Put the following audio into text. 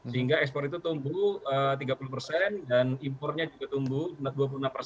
sehingga export itu tumbuh tiga puluh dan importnya juga tumbuh dua puluh enam